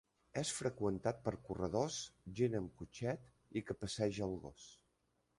És freqüentat per corredors, gent amb cotxet i que passeja el gos.